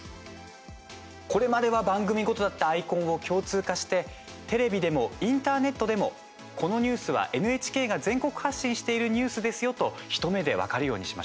これまでは番組ごとだったアイコンを共通化してテレビでもインターネットでもこのニュースはＮＨＫが全国発信しているニュースですよと一目で分かるようにしました。